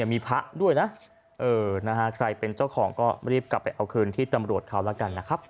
๐๓๒๖๘๔๒๑๖๐๓๒๖๘๔๒๑๖มีพระด้วยนะใครเป็นเจ้าของก็รีบกลับไปเอาคืนที่ตำรวจเขาแล้วกันนะครับ